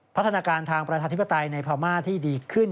พัฒนาการทางประชาธิปไตยในพม่าที่ดีขึ้น